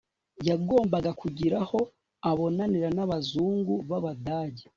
yagombaga kugira aho abonanira n'abazungu b'abadage